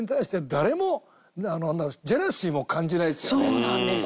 そうなんですよ！